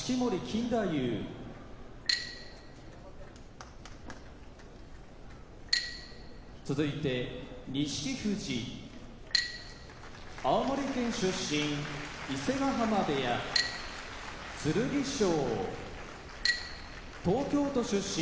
錦富士青森県出身伊勢ヶ濱部屋剣翔東京都出身